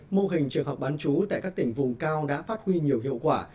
mô hình trường học bán chú tại các tỉnh vùng cao đã phát huy nhiều hiệu quả